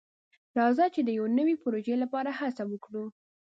راځه چې د یو نوي پروژې لپاره هڅه وکړو.